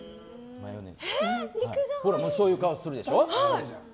そういう顔するでしょ。